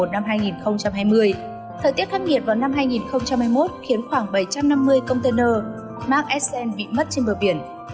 thời tiết khắc nghiệt vào năm hai nghìn hai mươi một khiến khoảng bảy trăm năm mươi container mark sn bị mất trên bờ biển